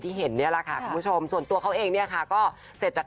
เห็นเนี่ยแหละค่ะคุณผู้ชมส่วนตัวเขาเองเนี่ยค่ะก็เสร็จจาก